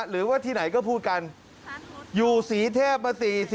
หรือว่าที่ไหนก็พูดกันอยู่ศรีเทพมา๔๐